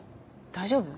大丈夫？